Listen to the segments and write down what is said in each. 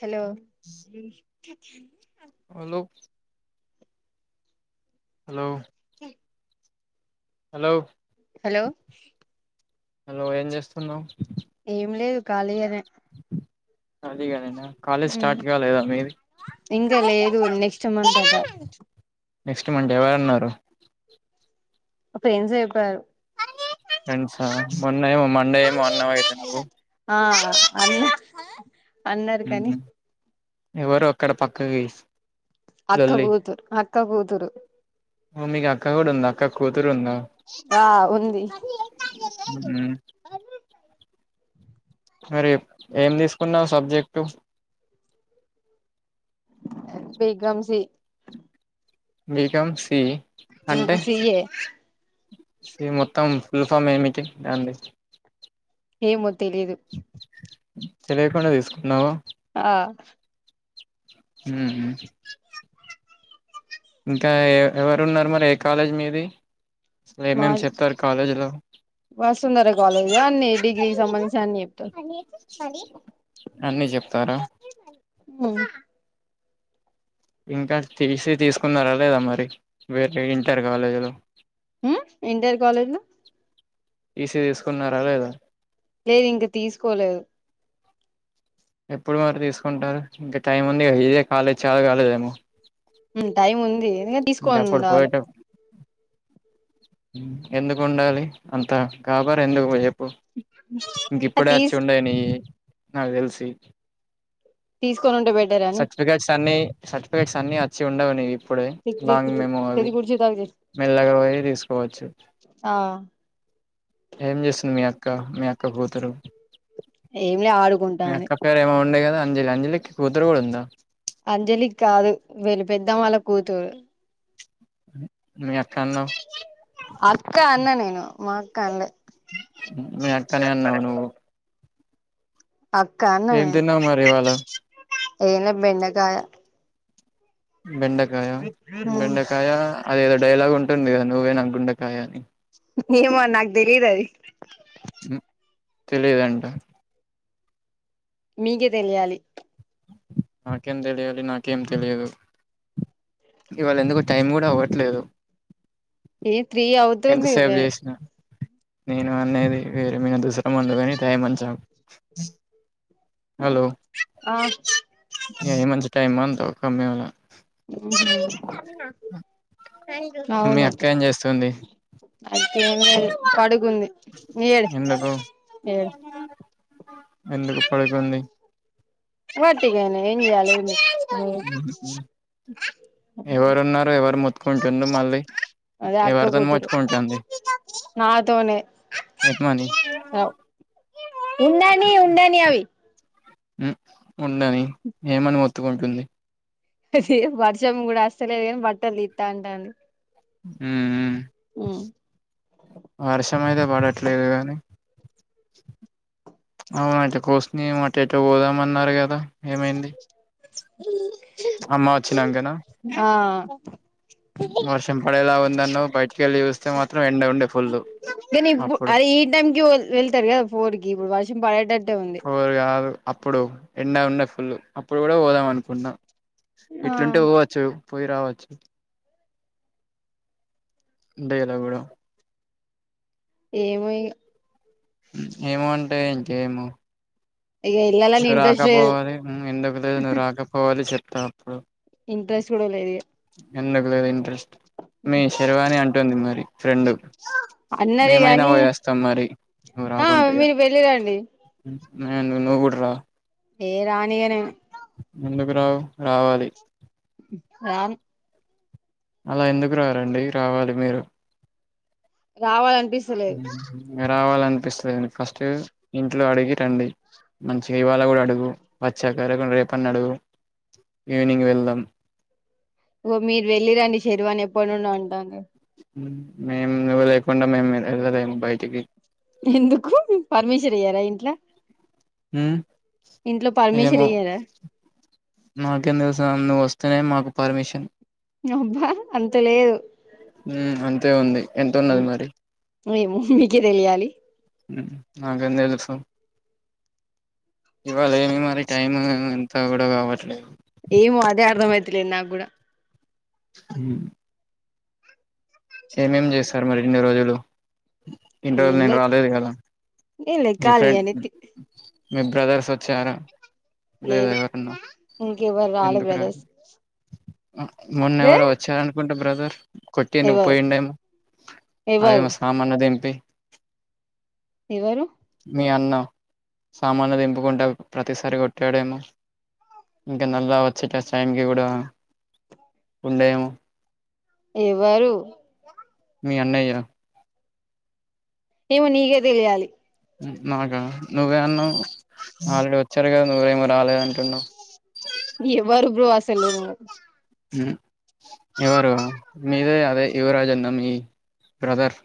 Hello. Hello. Hello. [unintelligible] Hello. Hello. Hello ఏం చేస్తున్నావ్ ఏం లేదు కాలిగనే కలిగనేన కాలేజ్ స్టార్ట్ కాలేద మీది. ఇంగ లేదు నెక్స్ట్ మంత్ అట నెక్స్ట్ మం [unintelligible] ఎవరన్నారు. [unintelligible] ఫ్రెండ్స మొన్న ఏమో మండే ఏమో అన్నావు అయితే నువ్వు. ఆ అ [unintelligible] ఎవరు అక్కడ పక్కకి అక్క లొల్లి కూతుర్ అక్క కూతురు మీకు అక్క కూడ ఉందా అక్క కూతురు ఉంద ఆ ఉంది ఉ మరి ఏం తీసుకున్నావ్ సబ్జెక్టు బీకాం సి బి కాం సి ఆ అంటే సి ఎ [unintelligible] మొత్తం ఫుల్ ఫామ్ ఏమిటి [unintelligible] ఏమో తెలీదు తేలికుండ తీసుకున్నావ ఆ హు హు ఇంక ఎవరు ఉన్నారు మరి ఏ కాలేజ్ మీది అసలు ఏమేమి చెప్తారు కాలేజీలో వస్తుందార కాలేజ అన్ని డిగ్రీకి సంబంధించి అన్ని అన్ని చెప్తారా ఉ ఇంక టీసి తీసుకున్నార లేదా మరి వేరే ఇంటర్ కాలేజ్ లో ఉ ఇంటర్ కాలేజ్ లో టి సి తీసుకున్నారా లేద లేదు ఇంక తీసుకోలేదు ఎప్పుడు మరి తీసుకుంటారు ఇంక టైం ఉంది ఇదే కాలెజ్ [unintelligible] కాలేదేమో టైం ఉంది [unintelligible] ఇంకా తీసుకొని అప్పుడు ఉండాలే పోయేటప్పుడు ఎందుకు ఉండాలి అంత గాబర్ ఎందుకు చెప్పు ఇంక అది ఇప్పుడే వచ్చి తీసు ఉండయి నీవి నాకు తెలిసి తీసుకొని ఉంటే బెటర్ అని సర్టిఫికెట్స్ అన్ని సర్టిఫికెట్స్ అన్ని వచ్చి ఉండవు నీవి ఇప్పుడే లాంగ్ ఎగ్జిక్యూటివ్ మెమె తెది అవి గురించి తాగు చెయ్ మెల్లగా పోయి తీసుకోవచ్చు ఆ ఏం చేస్తుంది మీ అక్క మీ అక్క కూతురు ఏంలే ఆడుకుంటానంది పెరెమో ఉండే గదా అంజలి అంజలికి కూతురు గూడా ఉందా అంజలికి కాదు వీళ్ళ పెద్దామ్మా వాళ్ళ కూతురు మీ అక్క అన్నావ్ అక్క అన్నా నేను అక్క అనలే మీ అక్కనే అన్నావు నువ్వు ఏం అక్కన్నేను తిన్నావు మరి ఇవాళ ఏనలే బెండకాయ బెండకాయ హ్మ్ బెండకాయ అదేదో డైలాగ్ ఉంటుంది కదా నువ్వేనా గుండకాయ అని ఏమో నాక్ తెలిద్ అది తెలిదంట మీకే తెలియాలి నాకేం తెలియాలి నాకేం తెలియదు ఇవాళ ఎందుకు టైం గూడా అవ్వట్లేదు ఏ త్రీ ఎంత అవుతుంది సేప్ లే చేసినా నేను అనేది వేరే మీన దుసరా ముందుగాని తయమంచాం హలో ఆ ఏ మంచి టైమ్ అ అంటావ్ ఒకఅమ్మాయి లా ఉహు మీ అవును అక్క ఏం చేస్తుంది అయితే పడుకుంది ఏ ఎందుకు ఏ ఎందుకు పడుకుంది వట్టిగానే ఏం చేయాలి ఎంది ఎవరు ఉన్నారు ఎవరు మోతుకుంటురు మళ్ళీ ఎవరి తోని మోచుకుంటుంది నా తోనే అవ్ ఉండనీ ఉండనీ అవి మ్ ఉండని ఏమని మోత్తుకుంటుంది హ వర్షం గూడా వస్తలేదు గానీ బట్టలు తిత్తా అంటాంది ఉమ్ ఉ వర్షం అయితే పడట్లేదు గాని అవున అటు కోసుని అటు ఎటో పోదామన్నారు గదా ఏమైంది ఉ అమ్మా వచ్చినాంకనా వర్షం పడేలా ఉందన్నవ్ బయటికి ఎళ్ళి చూస్తే మాత్రం ఎండ ఉండే ఫుల్లు కానీ ఇప్పుడు అదే ఈ టైంకి వెళ్తారు కదా ఫోర్ ఇప్పుడు వర్షం పడేటట్టే ఉంది ఇప్పుడు గాదు అప్పుడు ఎండ ఉన్నాయి ఫుల్ అప్పుడు గూడా పోదాం అనుకుంన్నాం ఇట్లుంటే పోవచ్చు పోయి రావచ్చు ఉండే ఇలా గూడా ఏమో ఇగా ఏమో అంటే ఇంకేమో ఇగా ఎల్త్ నువ్వు రాకపోవాలి ఎందుకు లేదు నువ్వు రాకపోవాలి చెప్తా అప్పుడు ఇంట్రెస్ట్ కూడలేదుఇగ ఎందుకు లేదు ఇంట్రెస్ట్ మీ శెరీవాని అంటుంది మరి ఫ్రెండ్ అన్నది మేమైన గాని పోయి వస్తాం మరి నువ్వు ఆ రాకుంటె ఇగ మీరు వెళ్ళిరండి నెను నువ్వు కూడర ఏ రాణియనెను ఎందుకు రావు రావాలి రాన్ అళఎందుకు రారండి రావాలి మీరు రావాలనిపిస్ రావాలనిపిస్తుందిం ఫస్ట్ ఇంట్లో అడిగి రండి మంచిగఇవాళకూడా అడుగు వచ్చాకలెకుంటె రేపన్నఅడుగు ఈవినింగ్ వెళ్దాం ఓ మీరు వెళ్ళిరండి శెరువాని ఎప్పటి నుండి అంటాంది మేము నువ్వు లేకుండమేము వెళ్ళలేము బయటికి ఎందుకు పర్మిషన్ ఇయ్యారఇంట్లో ఉ ఇంట్లో పర్మిషన్ ఇయ్యార మాకేంతెలుసునువ్వు వస్తేనే మాకు పర్మిషన్ అబ్బా అంత లేదు ఉఅంతే ఉంది ఎంతున్నది మరి యెమొమీకే తెలియాలి నాకెంతెలుసు ఇవాళ ఏమి మరి టైం అంత్త కూడ కావట్లేదు ఏమో అదే అర్థమైతలేదు నాకు కూడ ఉ ఏమేం చేస్తారు మరిన్ని రోజులు ఇన్ని రోజులు ఏం నేను లేదు రాలేదు కద నేను మీ లెక్కాలి ఫ్రెండ్ అని మీ బ్రదర్స్ వచ్చారా లేద లేదు ఎవరన్నా ఇంకెవరు రాలే ఎందుకు రావ్ బ్రదర్స్ మొన్న రే ఎవరొవచ్చారు అనుకుంట బ్రదర్ కొట్టి ఎవరు పోయిండేమో ఎవరు అవేమో సామాడ్లు దింపి ఎవరు మీ అన్న సామాడ్లు దింపుకుంటప్రతిసారి కొట్యడేమో ఇంక నల్ల వచ్చే టైకి కూడా ఉండేదెమొ ఎవరు మీ అన్నయ్య ఏమొనీకే తెలియాలి నాకు నువ్వే అన్నావ్ ఆల్ రడి వచ్చారు కద నువ్ ఎమొ రాలేదుంటున్నావు ఎవరు బ్రో అసలు నువ్వు ఎవర మీదే అదే యువరాజ్ అన్న మీ బ్రదర్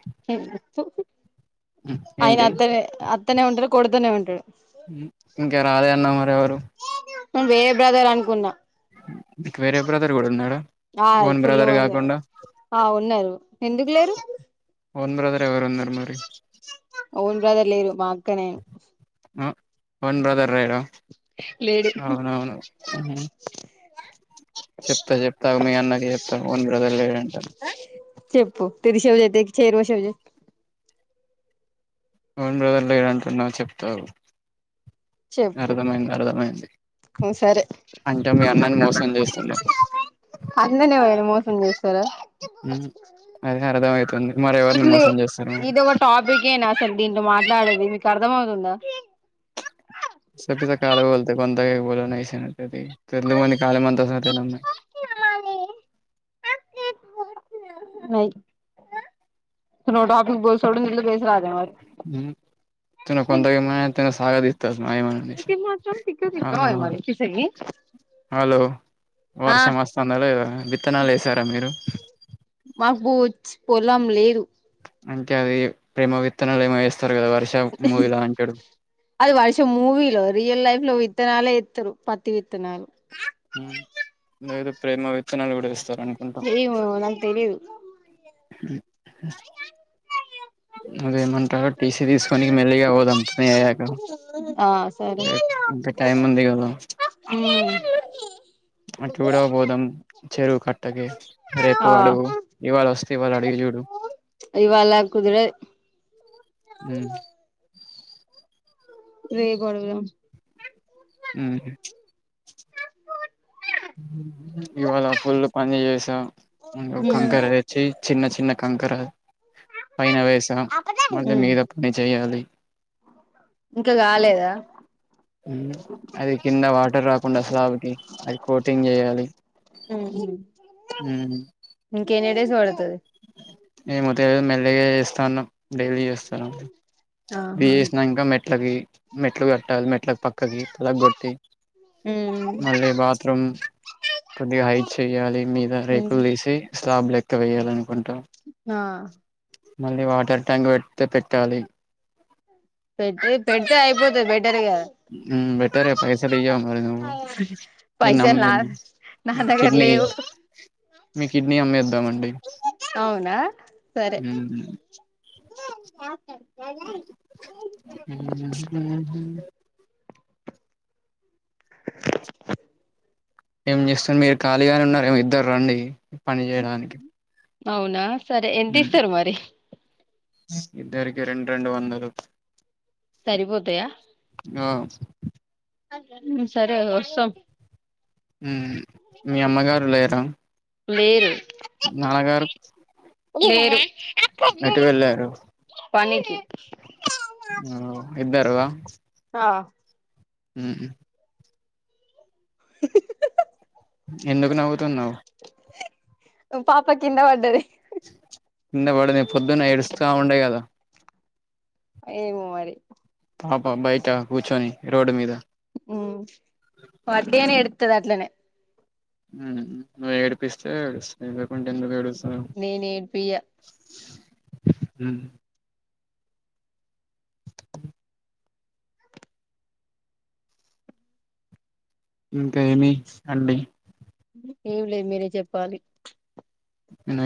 ఆయన ఏంటి అత్తనే అత్తనే ఉంటాడు కొడుతనే ఉంటాడు ఇంక రాజె అన్నా మరి ఎవరు ఉ వేరే బ్రదర్ అనుకున్న మీకు వేరే బ్రదర్ కూడ ఆ ఉన్నాడఓన్ ఫుల్ బ్రదర్ మంది కాకుండ ఆ ఉన్నారు ఎందుకు లేరు ఓన్ బ్రదర్ ఎవరు ఉందన్నారు మరి ఓన్ బ్రదర్ లేరు మా అక్క నేను అ ఓన్ బ్రదర్ లేరా అవునవును చెప్త చెప్తాగు మీ అన్నకి చెప్త ఓన్ బ్రదర్లు లేరంట చెప్పు తిరి శివజ అయితే చేరువ శివజ చెప్ ఓన్ బ్రదర్లు లేదంటున్నావు చెప్తాగు, చెప్పు అర్థమైంది అర్థమైంది సరే అంటే మీ అన్నన్ని మోసం చేస్తున్నవ్ అన్నని ఎవరన్న మోసం చేస్తరా? ఉమ్ అదే అర్థం అయితాంది, మరెవర్ని మోసం చేస్తన్నవు టాపిక్ ఏనా అసలు దీంట్లో మాట్లాడేది మీకు అర్థం అవుతుందా పిసో పిసో కాలే బోల్త కొంతకేక్ బోలొనైసో తెత్తి తెలు మొంది కాలె మంతాస్ తెనమ్మా తునో టాపిక్ బోల్ సోడన్ దేల బేస్ రహతే మరి తునో కొంతకేక్ మననైసో సాగదిస్ తాస్ మాయమన కాలేమా మరి హలో ఆ వర్షం వస్తుందా లేద విత్తనాలు ఏసారా మీరు? మాకు చ్ పొలం లేదు అంటే అది ప్రేమ విత్తనాలు ఏమేస్తరు కదా వర్షం మూవీలా అంటడు. అది వర్షం మూవీలో, రియల్ లైఫ్ లో విత్తనాలే ఏత్తరు, పత్తి విత్తనాలు. లేద ప్రేమ విత్తనాలు కూడ ఏస్తారు అనుకుంటా ఏమో నాక్ తెలీదు అదేమంటారు టీసీ తీసుకొని మెల్లిగా పోదాం అయ్యాక ఆ సర్ రేపు ఇంక టైమ్ ఉంది కదా ఉమ్ అటు గుడ బోదాం చెరువు కట్టకే ఆ రేపు అడుగు ఇవాళ అస్తే ఇవాళ అడిగి జూడు ఇవాళ కుద్రది ఉమ్ రేపు అడుగుదం ఉమ్ ప్చ్ ఇవాళ ఫుల్ పని చేసా, ముందు కంకర తెచ్ చెయ్ చిన్న చిన్న కంకర పైన వేసాం, మళ్ళ ఉమ్ మీద పని చేయాలి. ఇంక కాలేదా? అది కింద వాటర్ రాకుండా స్లాబ్కి, అది కోటింగ్ చేయ్యాలి. ఉమ్ ఉమ్ ఇంకెన్ని డిస్ పడతది ఏమో తెల్వది మెల్లిగా చేస్తాన్నం డైలీ చేస్ బి ఆహా చేసినంకా మెట్లకి మెట్లు కట్టాలి, మెట్లలకు పక్ పక్కకి పిలగొట్టి ఉమ్ మళ్ళీ బాత్రూమ్ కొద్దిగా హైట్ చెయ్యాలి మీద రేకులు తీసి, స్లాబ్ లెక్క వేయాలి అనుకుంటం ఆ మళ్ళీ వాటర్ ట్యాంక్ పెడితే పెట్టాలి. పెట్టి పెడ్తే అయిపోతే బెటర్గా బెటరే పైసలియ్యవ్ మరి నువ్ పైసలు నా నా దగ్గర కిడ్నీ లేవు మీ కిడ్నీ అమ్మేద్దామండి అవునా సరే ఉమ్ ఏం చేస్తాను మీరు ఖాళీగానే ఉన్నారు మి ఇద్దరు రండి పని చేయడానికి అవునా సరే ఎంత ఇస్తారు మరి ఇద్దరికి రెండు రెండు వందలు సరిపోతాయా ఆ సరే వస్తాం ఊ మీ అమ్మగారు లేర లేేరు లేరు ఎటు వెళ్ళారు పనికి ఆ ఇద్దరు ఆ ఆ ఉ ఎందుకు నవ్వుతున్నావు పాప కింద పడ్డది కింద పడింది పొద్దున ఎడుస్తా ఉండే కదా ఏమో మరి పాప బయట కూర్చొని రోడ్ మీద ఉ వడ్డీనే ఎడతది అట్లనే ఉ నువ్ ఏడిపిస్తే ఏడుస్తది లేకుంటే ఎందకు ఏడుస్త నేను ఏడిపియ్య ఉ ఇంక ఏమి అండి ఏం లేదు మీరే చెప్పాలి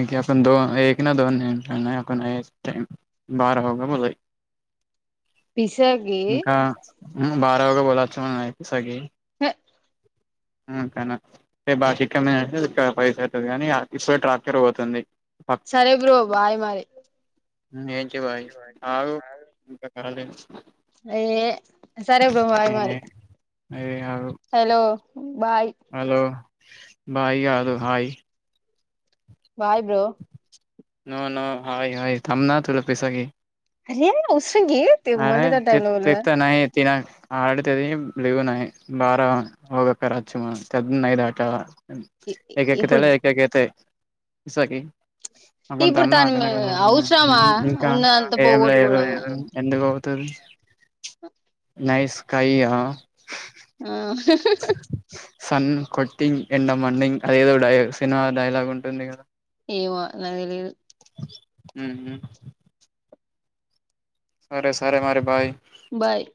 కి ద నా దో ట బారగా బ పిసగి ఇంకా హే కా టె బాగా చికెన్ తినేసి క పైసైతది కానీ ఇప్ప ట్రాక్టర్ పోతుంది ప సరే బ్రో బాయ్ మరి ఏంటి బాయ్ ఆగు ఇంకా కాలే ఏ సరే బ్రో బాయ్ మరి ఆగు హలో బాయ్ హలో బాయ్ కాదు hi bye bro no no hi hi అరే ఉసృంగీ అరే తె తెన్నా తిన ఆడతేది లేలివునయి బారా హగక్కచ్చుమా తద్ద నైదు ఆట ఇప్పుడు ఏకకతేల ఏక ఎకతే ఇసాకి కొంత ఇప్పుడు అన్నా దాని అవసరమా ఇంకా ఉన్నదంతా ఏం లేదు ఎందుకు అవుతది ఆ నైస్ స్కై యా ఆ హా సన్ కొట్టింగ్ ఎండమండింగ్ అదేదో డై సినిమా డైలాగ్ ఉంటుంది కదా ఏమో నాకు తెలిదు ఉహు సరే సరే మరి బాయ్ బాయ్